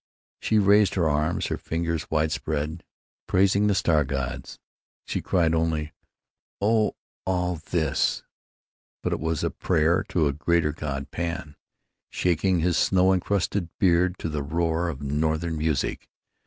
She raised her arms, her fingers wide spread, praising the star gods. She cried only, "Oh, all this——" but it was a prayer to a greater god Pan, shaking his snow incrusted beard to the roar of northern music.